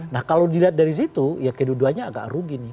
nah kalau dilihat dari situ ya kedua duanya agak rugi nih